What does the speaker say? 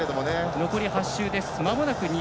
残り８周です。